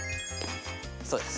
そうです。